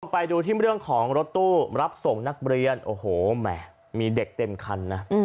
ไปดูที่เรื่องของรถตู้รับส่งนักเรียนโอ้โหแหมมีเด็กเต็มคันนะ